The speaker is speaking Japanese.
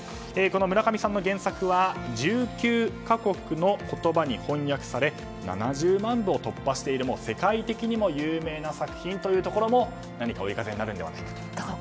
この村上さんの原作は１９か国の言葉に翻訳され７０万部を突破しているという世界的にも有名な作品というところも何か追い風になるのではないかと。